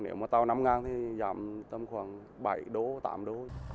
nếu mà tàu năm ngàn thì giảm tầm khoảng bảy đố tám đố